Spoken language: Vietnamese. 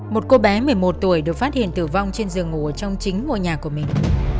một cô bé một mươi một tuổi được phát hiện tử vong trên giường ngủ trong chính ngôi nhà của mình